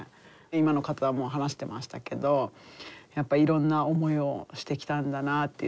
今の方も話してましたけどやっぱいろんな思いをしてきたんだなあって。